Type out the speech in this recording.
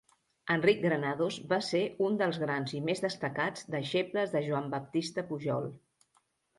Enric Granados va ser un dels grans i més destacats deixebles de Joan Baptista Pujol.